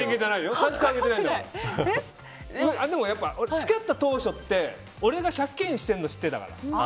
付き合った当初って俺が借金してるの知っていたから。